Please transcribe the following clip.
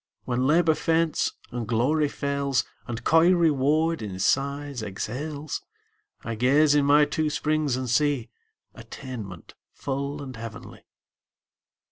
When Labor faints, and Glory fails, And coy Reward in sighs exhales, I gaze in my two springs and see Attainment full and heavenly.